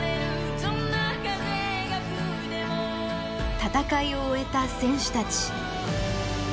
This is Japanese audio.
戦いを終えた選手たち。